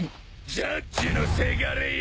ジャッジのせがれよ！